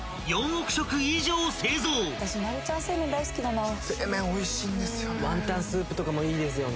正麺おいしいんですよね。